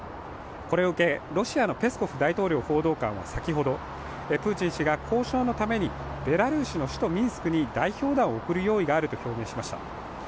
これを受け、ロシアのペスコフ大統領報道官は先ほど、プーチン氏が交渉のためにベラルーシの首都ミンスクに代表団を送る用意があると表明しました。